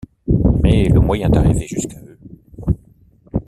Mais le moyen d’arriver jusqu’à eux